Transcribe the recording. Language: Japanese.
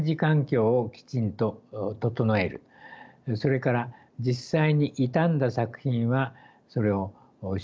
それから実際に傷んだ作品はそれを修復する。